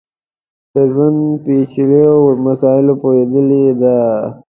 د ژوند پېچلیو مسایلو پوهېدلی دی.